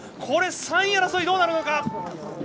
これ、３位争いどうなるのか！